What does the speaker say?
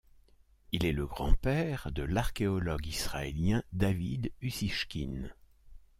Il est le grand-père de l'archéologue israélien David Ussishkin.